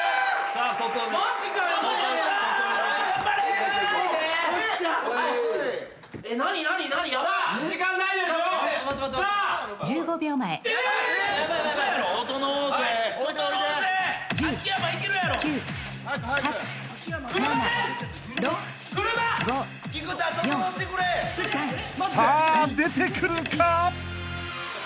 ［さあ出てくるか？］